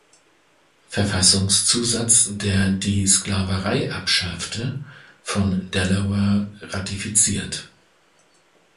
Verfassungszusatz, der die Sklaverei abschaffte, von Delaware ratifiziert.